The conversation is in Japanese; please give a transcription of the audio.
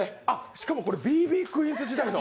しかもこれＢ．Ｂ．クィーンズ時代の。